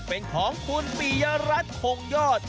เป็นของคุณปิยรัติโขงยอด